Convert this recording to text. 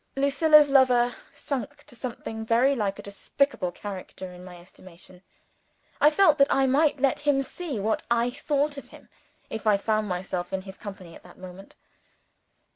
Lucilla's lover had sunk to something very like a despicable character in my estimation. I felt that I might let him see what I thought of him, if I found myself in his company at that moment.